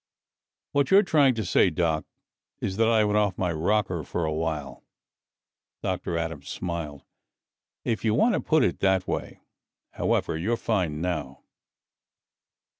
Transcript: "What you're trying to say, Doc, is that I went off my rocker for a while." Dr. Adams smiled. "If you want to put it that way. However, you're fine now."